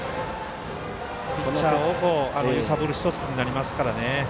ピッチャーを揺さぶる１つになりますからね。